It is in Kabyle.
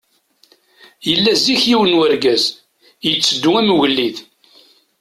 Yella zik yiwen n urgaz, yetteddu am ugellid.